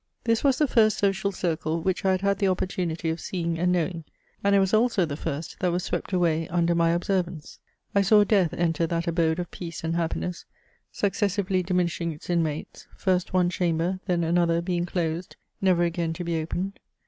This was the first social drcle which I had had the oppor tunity of seeing and knowing, and it was also the first that was swept away under my observance. I saw death enter that abode of peace and happiness, successively diminishing its inmates ; first one chamber, then another being closed^ never again to be opened.